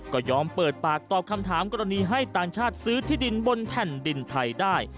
ก็ยอมเปิดปากตอบคำถามกรณีให้ต่างชาติซื้อที่ดินบนแผ่นดินไทยได้